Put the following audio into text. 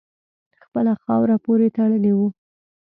خپله خاوره پوري تړلی وو.